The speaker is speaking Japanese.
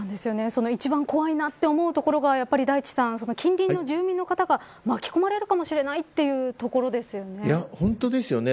その一番怖いなと思うところが大地さん、近隣の住民の方が巻き込まれるかもしれない本当ですよね。